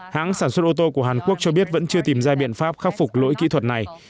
hãng sản xuất ô tô của hàn quốc cho biết vẫn chưa tìm ra biện pháp khắc phục lỗi kỹ thuật này